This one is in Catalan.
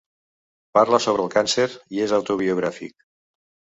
Parla sobre el càncer i és autobiogràfic.